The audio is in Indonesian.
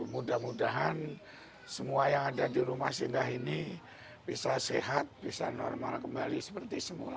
mudah mudahan semua yang ada di rumah singgah ini bisa sehat bisa normal kembali seperti semula